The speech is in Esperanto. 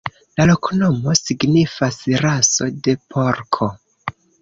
La loknomo signifas: raso de porko.